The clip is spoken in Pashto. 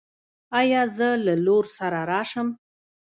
ایا زه له لور سره راشم؟